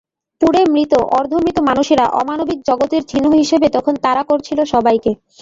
পুড়ে মৃত-অর্ধমৃত মানুষেরা অমানবিক জগতের চিহ্ন হিসেবে তখন তাড়া করছিল সবাইকে।